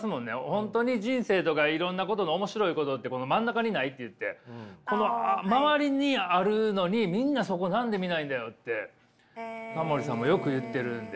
本当に人生とかいろんなことの面白いことってこの真ん中にないと言ってこの周りにあるのにみんなそこを何で見ないんだよってタモリさんもよく言ってるんで。